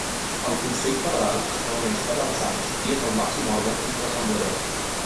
El Consell Federal es reuneix cada dos anys i és el màxim òrgan entre assemblees.